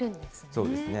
そうですね。